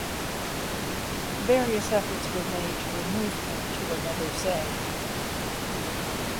Various efforts were made to remove him to another see.